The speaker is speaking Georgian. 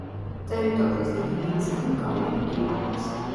ტერიტორიის დიდი ნაწილი უკავია მყინვარებს.